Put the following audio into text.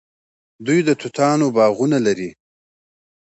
دوی د توتانو باغونه لري.